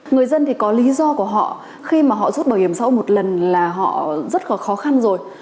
người dân thì có lý do của họ khi mà họ rút bảo hiểm xã hội một lần là họ rất là khó khăn rồi